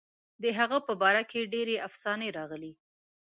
د هغه په باره کې ډېرې افسانې راغلي.